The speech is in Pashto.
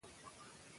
په مینه یې جوړ کړئ.